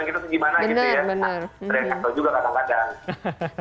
nah treatment tuh juga kadang kadang